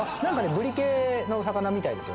ブリ系の魚みたいですよ。